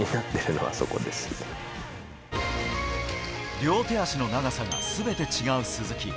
両手足の長さが全て違う鈴木。